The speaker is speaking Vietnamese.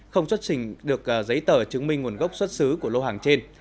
không xuất trình được giấy tờ chứng minh nguồn gốc xuất xứ của lô hàng trên